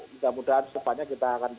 mudah mudahan semuanya kita akan